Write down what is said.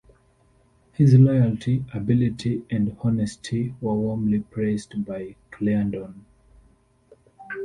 His loyalty, ability, and honesty were warmly praised by Clarendon.